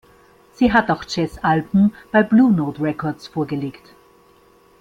Sie hat auch Jazzalben bei Blue Note Records vorgelegt.